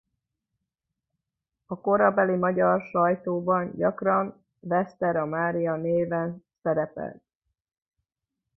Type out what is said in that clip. A korabeli magyar sajtóban gyakran Vetsera Mária néven szerepelt.